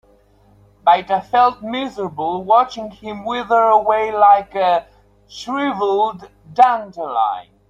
But I felt miserable watching him wither away like a shriveled dandelion.